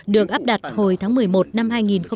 được áp đặt hồi tháng một mươi một năm hai nghìn một mươi bảy